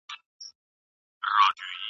زما د عمرونو په خمار کي به نشه لګېږې ..